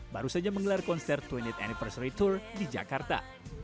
baru saja menggelar konser dua puluh anniversary tour di jakarta